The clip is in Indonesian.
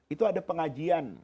itu ada pengajian